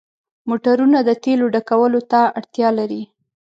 موټرونه د تیلو ډکولو ته اړتیا لري.